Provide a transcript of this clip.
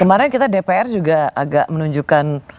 kemarin kita dpr juga agak menunjukkan